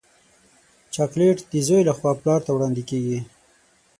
چاکلېټ د زوی له خوا پلار ته وړاندیزېږي.